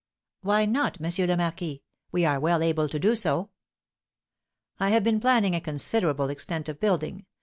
"Why not, M. le Marquis? We are well able to do so." "I have been planning a considerable extent of building.